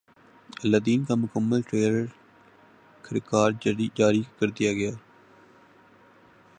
الہ دین کا مکمل ٹریلر خرکار جاری کردیا گیا